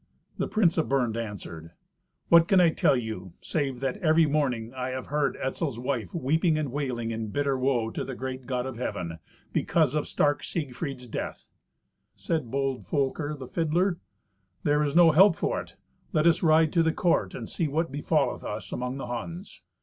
The prince of Bern answered, "What can I tell you, save that every morning I have heard Etzel's wife weeping and wailing in bitter woe to the great God of Heaven, because of stark Siegfried's death?" Said bold Folker, the fiddler, "There is no help for it. Let us ride to the court and see what befalleth us among the Huns."